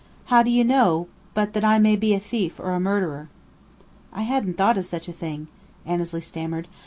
How do you know but I may be a thief or a murderer?" "I hadn't thought of such a thing," Annesley stammered.